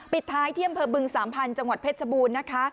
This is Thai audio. ปิดท้ายที่อำเภอบึงสามพันธุ์จังหวัดเพชรบูรณ์นะคะ